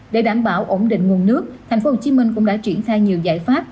để đảm bảo ổn định nguồn nước thành phố hồ chí minh cũng đã triển thai nhiều giải pháp